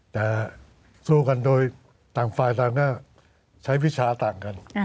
แต่สู้กันโดยต่างฝ่ายต่างก็ใช้วิชาต่างกัน